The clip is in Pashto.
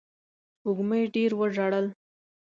سپوږمۍ ډېر وژړل